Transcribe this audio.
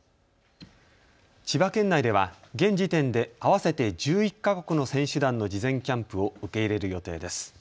千葉県内では現時点で合わせて１１か国の選手団の事前キャンプを受け入れる予定です。